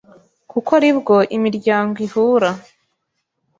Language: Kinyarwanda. kuko ari bwo imiryango ihura,